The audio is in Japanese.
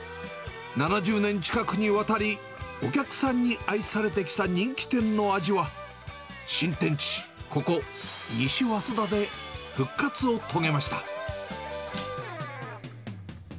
７０年近くにわたり、お客さんに愛されてきた人気店の味は、新天地、ここ、西早稲田で復活を遂げました。